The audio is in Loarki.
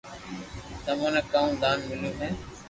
تمو ني ڪاو دان مليو ھي